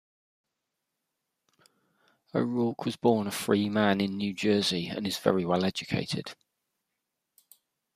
O'Rourke was born a free man in New Jersey and is very well educated.